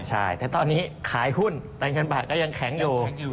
ใช่แต่ตอนนี้ขายหุ้นแต่เงินบาทก็ยังแข็งอยู่